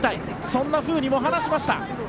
そんなふうにも話しました。